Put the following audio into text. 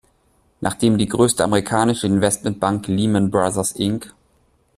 Nachdem die größte amerikanische Investmentbank Lehman Brothers Inc.